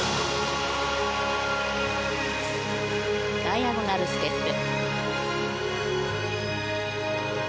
ダイアゴナルステップ。